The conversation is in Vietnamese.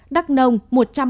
đắk nông một trăm bốn mươi bảy ca